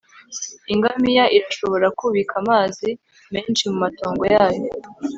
ingamiya irashobora kubika amazi menshi mumatongo yayo